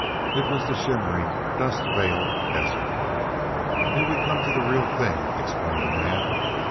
It was the shimmering dust veiled desert. "Here we come to the real thing," explained Naab.